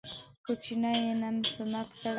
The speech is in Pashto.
کوچنی يې نن سنت کړی دی